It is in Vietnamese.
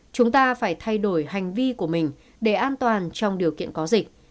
chúng ta phải thay đổi hành vi của mình để an toàn trong điều kiện có dịch